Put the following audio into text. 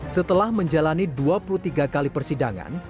setelah menjalani dua puluh tiga kali persidangan